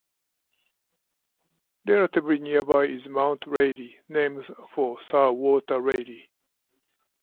Relatively nearby is Mount Raleigh, named for Sir Walter Raleigh.